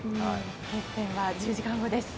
決戦は１０時間後です。